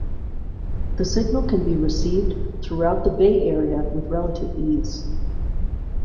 The signal can be received throughout the Bay Area with relative ease.